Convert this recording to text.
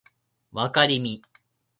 わかりみ